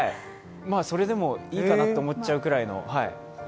それでもいいかなと思っちゃうくらいの。